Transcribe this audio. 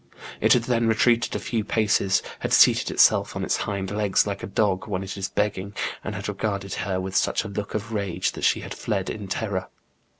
It had then retreated a few paces, had seated itself on its hind legs like a dog when it is begging, and had regarded her with such a look of rage, that she had fled in terror.